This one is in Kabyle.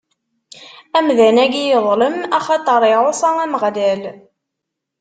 Amdan-agi yeḍlem, axaṭer iɛuṣa Ameɣlal.